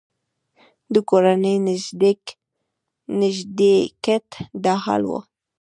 د کورني نږدېکت دا حال و.